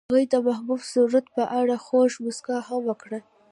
هغې د محبوب سرود په اړه خوږه موسکا هم وکړه.